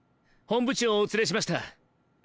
本部長お連れしました。